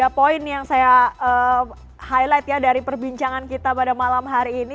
tiga poin yang saya highlight ya dari perbincangan kita pada malam hari ini